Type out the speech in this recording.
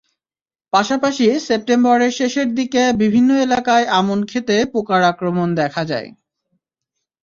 পাশাপাশি সেপ্টেম্বরের শেষের দিকে বিভিন্ন এলাকায় আমন খেতে পোকার আক্রমণ দেখা দেয়।